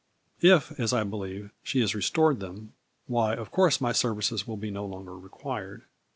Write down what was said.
If, as I believe, she has restored them, why, of course, my services will be no longer required.